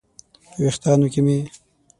په ویښتانو کې مې